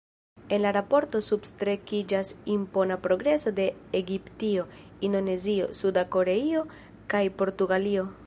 En la raporto substrekiĝas impona progreso de Egiptio, Indonezio, Suda Koreio kaj Portugalio.